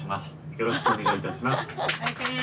よろしくお願いします。